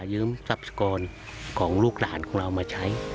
ยืมทรัพกรของลูกหลานของเรามาใช้